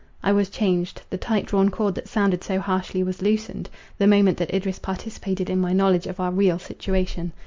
I was changed; the tight drawn cord that sounded so harshly was loosened, the moment that Idris participated in my knowledge of our real situation.